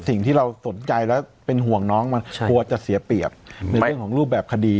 สิ่งที่เราสนใจและเป็นห่วงน้องมันกลัวจะเสียเปรียบในเรื่องของรูปแบบคดี